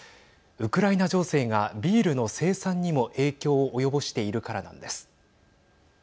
ウクライナ情勢がビールの生産にも影響を及ぼしているからなんです。